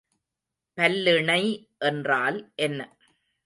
பல்லிணை என்றால் என்ன?